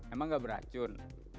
emang gak beracun